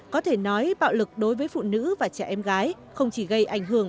có thể nói bạo lực đối với phụ nữ và trẻ em gái không chỉ gây ảnh hưởng